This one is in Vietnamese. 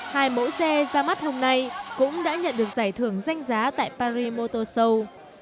hai mẫu xe ra mắt hôm nay cũng đã nhận được giải thưởng danh giá tại paris motor show